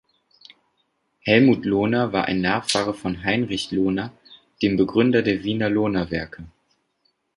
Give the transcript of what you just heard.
Helmuth Lohner war ein Nachfahre von Heinrich Lohner, dem Begründer der Wiener Lohner-Werke.